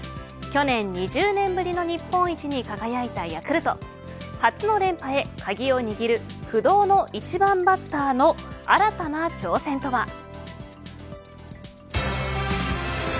去年、２０年ぶりの日本一に輝いたヤクルト初の連覇へ鍵を握る不動の１番バッターの新たな挑戦とは。